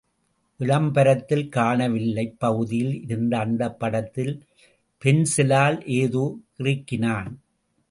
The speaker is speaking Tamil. விளம்பரத்தில் காணவில்லை பகுதியில் இருந்த அந்தப் படத்தில் பென்சிலால் ஏதோ கிறுக்கினான்.